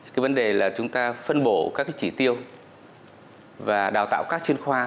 cái vấn đề là chúng ta phân bổ các cái chỉ tiêu và đào tạo các chuyên khoa